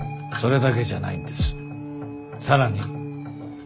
更に。